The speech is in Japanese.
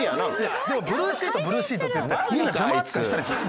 でもブルーシートブルーシートって言ってみんな邪魔扱いしたりする。